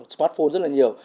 smartphone rất là nhiều